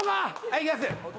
いきます。